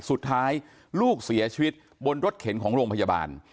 สุดท้ายลูกเสียชีวิตบนรถเข็นของโรงพยาบาล